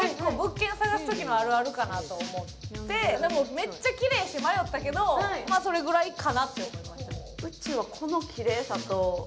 めっちゃきれいやし迷ったけどこれぐらいかなって。